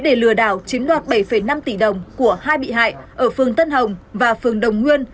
để lừa đảo chiếm đoạt bảy năm tỷ đồng của hai bị hại ở phường tân hồng và phường đồng nguyên